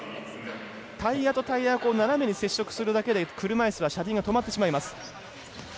タイヤとタイヤが斜めに接触させるだけで車いすは車輪が止まってしまいます。